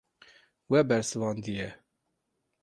We bersivandiye.